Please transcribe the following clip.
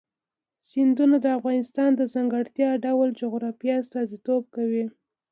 سیندونه د افغانستان د ځانګړي ډول جغرافیه استازیتوب کوي.